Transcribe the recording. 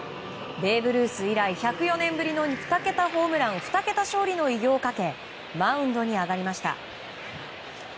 ベーブ・ルース以来１０４年ぶりの２桁ホームラン、２桁勝利の偉業をかけマウンドに上がりました。